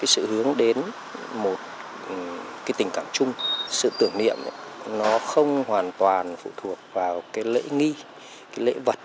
sự hướng đến một tình cảm chung sự tưởng niệm không hoàn toàn phụ thuộc vào lễ nghi lễ vật